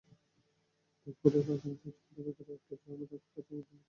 থাই ফুডের কারখানায় শৌচাগারের ভেতরে আটটি ড্রামে রাখা কাঁচা মটর পাওয়া গেছে।